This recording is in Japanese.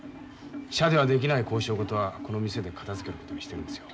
社ではできない交渉事はこの店で片づけることにしてるんですよ。